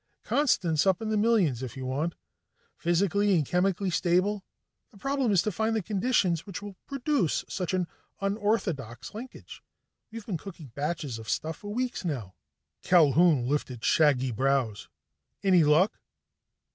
"Constants up in the millions if you want. Physically and chemically stable. The problem is to find the conditions which will produce such an unorthodox linkage. We've been cooking batches of stuff for weeks now." Culquhoun lifted shaggy brows. "Any luck?"